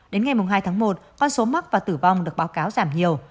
đến ngày hai tháng một con số mắc và tử vong được báo cáo giảm nhiều